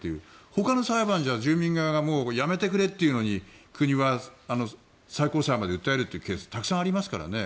ほかの裁判じゃ、住民側がもうやめてくれというのに国は最高裁まで訴えるケースたくさんありますからね。